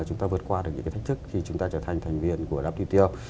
chúng ta vượt qua được những cái thách thức khi chúng ta trở thành thành viên của wto